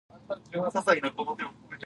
朝日村的一村。